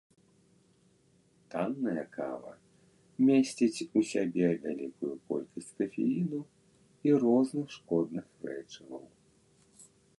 Танная кава месціць у сябе вялікую колькасць кафеіну і розных шкодных рэчываў.